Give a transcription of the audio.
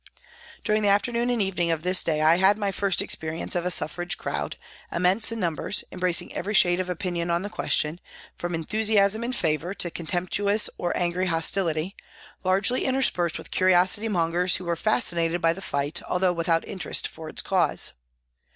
During the afternoon and evening of this day I had my first experience of a suffrage crowd, immense in numbers, embracing every shade of opinion on the question, from enthusiasm in favour to MY CONVERSION 23 contemptuous or angry hostility, largely interspersed with curiosity mongers who were fascinated by the fight although without interest for its cause.